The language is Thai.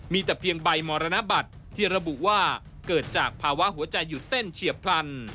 มีแต่เพียงใบมรณบัตรที่ระบุว่าเกิดจากภาวะหัวใจหยุดเต้นเฉียบพลัน